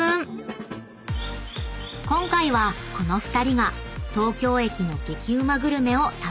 ［今回はこの２人が東京駅の激ウマグルメを食べ尽くします！］